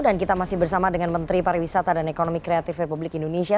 dan kita masih bersama dengan menteri pariwisata dan ekonomi kreatif republik indonesia